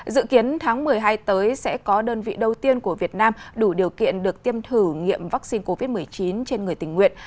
dự kiến tháng một mươi hai tới sẽ có đơn vị đầu tiên của việt nam đủ điều kiện được tiêm thử nghiệm vaccine covid một mươi chín trên người tình nguyện